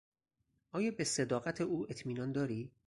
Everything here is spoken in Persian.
آیا به صداقت او اطمینان داری؟